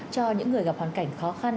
cho những người gặp hoàn cảnh khó khăn